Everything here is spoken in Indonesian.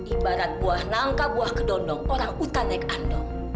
ibarat buah nangka buah kedondong orang utanek andong